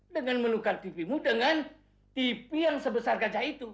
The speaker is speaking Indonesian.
dengan menukar tvmu dengan tv yang sebesar gajah itu